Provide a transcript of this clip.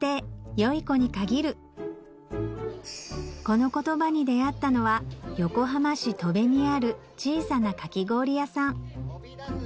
このコトバに出合ったのは横浜市戸部にある小さなカキ氷屋さん